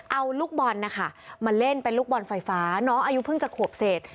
เอาลูกบอลนะคะมาเล่นเป็นลูกบอลไฟฟ้าน้องอายุเพิ่งจะขวบเศษ